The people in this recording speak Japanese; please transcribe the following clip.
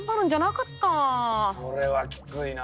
それはきついな。